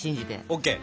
ＯＫ。